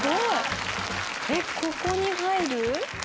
えっここに入る？